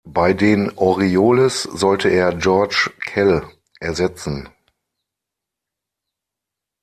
Bei den Orioles sollte er George Kell ersetzen.